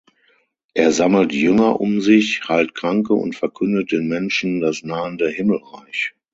Er sammelt Jünger um sich, heilt Kranke und verkündet den Menschen das nahende Himmelreich.